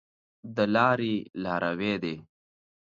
د لاري لاروی دی .